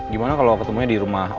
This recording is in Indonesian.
gimana kalau ketemunya di rumah om aja